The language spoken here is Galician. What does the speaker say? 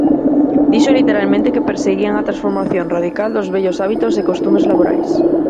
Dixo literalmente que perseguían a transformación radical dos vellos hábitos e costumes laborais.